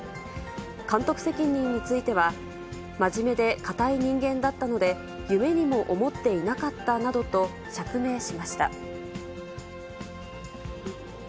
監督責任については、真面目で堅い人間だったので、夢にも思っていなかったなどと釈明しました。